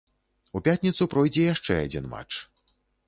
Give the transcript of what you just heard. У пятніцу пройдзе яшчэ адзін матч.